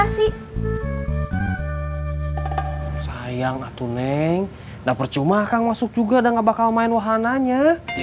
saya ngatu neng dapur cuma akan masuk juga dan nggak bakal main wahananya